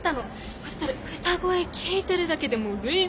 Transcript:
そしたら歌声聴いてるだけでもう涙腺崩壊。